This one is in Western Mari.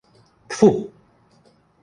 Тфу!..